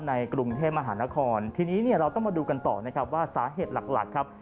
ในกรุงเทพมหานครทีนี้เนี่ยเราต้องมาดูกันต่อนะครับว่าสาเหตุหลักหลักครับ